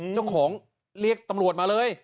เจ้าของเรียกตำรวจมาเลย